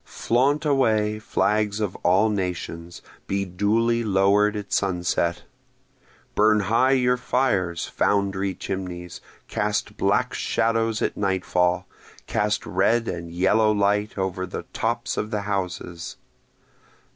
Flaunt away, flags of all nations! be duly lower'd at sunset! Burn high your fires, foundry chimneys! cast black shadows at nightfall! cast red and yellow light over the tops of the houses!